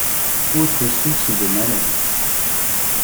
Autre source de malheurs!